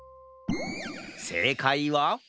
せいかいは？